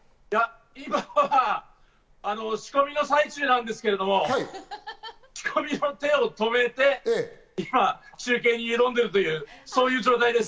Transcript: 今は仕込みの最中なんですけど、仕込みの手を止めて、今、中継に挑んでいるというそういう状態です。